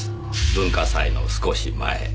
文化祭の少し前。